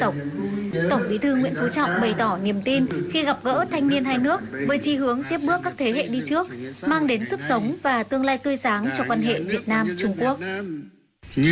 tổng bí thư nguyễn phú trọng bày tỏ niềm tin khi gặp gỡ thanh niên hai nước với chi hướng tiếp bước các thế hệ đi trước mang đến sức sống và tương lai tươi sáng cho quan hệ việt nam trung quốc